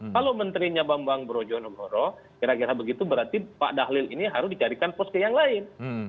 kalau menterinya bambang brojonegoro kira kira begitu berarti pak dahlil ini harus dicarikan pos ke yang lain